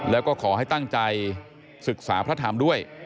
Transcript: แล้วก็ขอให้ตั้งใจศึกษาพระธรรมด้วย